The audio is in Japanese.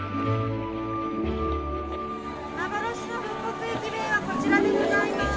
幻の復刻駅弁はこちらでございます。